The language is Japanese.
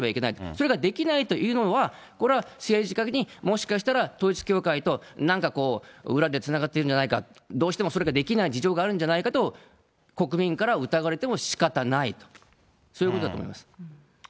それができないというのは、これは政治的にもしかしたら統一教会となんかこう、裏でつながってるんじゃないかと、どうしてもそれができない事情があるんじゃないかと国民から疑われてもしかたない、そういうことだと思います。